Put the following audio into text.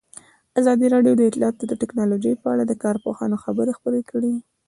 ازادي راډیو د اطلاعاتی تکنالوژي په اړه د کارپوهانو خبرې خپرې کړي.